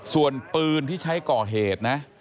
ส่วนปืนที่ใช้ก่อเหตุนะ